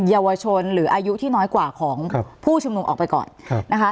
เยาวชนหรืออายุที่น้อยกว่าของผู้ชุมนุมออกไปก่อนนะคะ